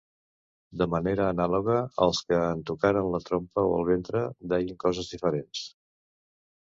De manera anàloga, els que en tocaren la trompa o el ventre deien coses diferents.